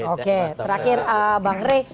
oke terakhir bang rey